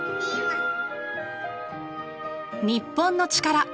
『日本のチカラ』